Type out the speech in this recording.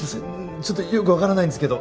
ちょっとよくわからないんですけど。